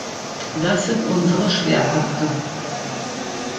Das sind unsere Schwerpunkte.